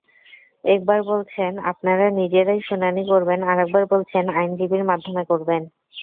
একবার বলছেন, আপনারা নিজেরাই শুনানি করবেন, আরেকবার বলছেন আইনজীবীর মাধ্যমে করবেন।